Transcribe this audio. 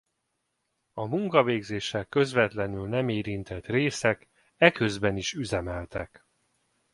A munkavégzéssel közvetlenül nem érintett részek eközben is üzemeltek.